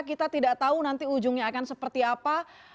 kita tidak tahu nanti ujungnya akan seperti apa